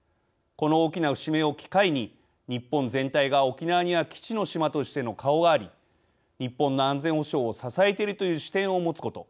この大きな節目を機会に日本全体が沖縄には基地の島としての顔があり日本の安全保障を支えているという視点を持つこと。